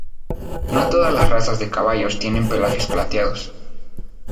No todas las razas de caballos tienen pelajes plateados.